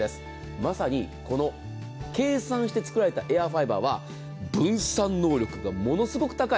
まさにこの計算して作られたエアファイバーは分散能力がものすごく高い。